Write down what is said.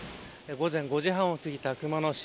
午前５時半をすぎた熊野市。